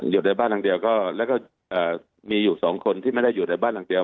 อยู่ในบ้านหลังเดียวก็แล้วก็มีอยู่สองคนที่ไม่ได้อยู่ในบ้านหลังเดียว